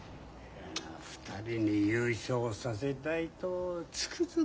２人に優勝させたいとつくづく思うよ。